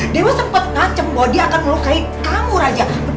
dewa sempet ngancep bahwa dia akan melukai kamu raja